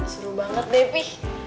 seru banget deh pi